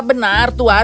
kau mengerti bukan